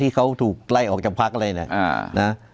ที่เขาถูกไล่ออกจากพักอะไรเนี่ยนะ